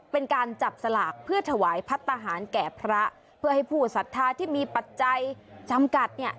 เป็นการจับสลากเพื่อถวายพัฒนาหารแก่พระเพื่อให้ผู้ศรัทธาที่มีปัจจัยจำกัดเนี่ย